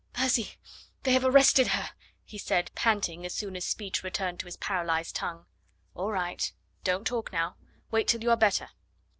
"Percy, they have arrested her!" he said, panting, as soon as speech returned to his paralysed tongue. "All right. Don't talk now. Wait till you are better."